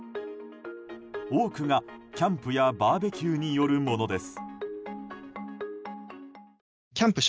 多くが、キャンプやバーベキューによるものです。